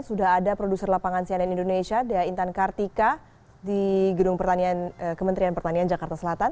sudah ada produser lapangan cnn indonesia dea intan kartika di gedung pertanian kementerian pertanian jakarta selatan